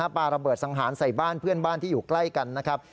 ปลาระเบิดสังหารใส่บ้านเพื่อนบ้านที่อยู่ใกล้กันนะครับ